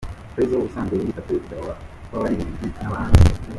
Prezzo ubusanzwe wiyita Perezida wabaririmbyi nabahanzi.